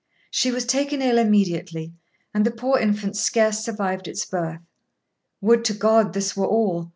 She was taken ill immediately; and the poor infant scarce survived its birth. Would to God this were all!